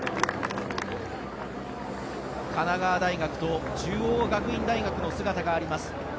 神奈川大学と中央学院大学の姿があります。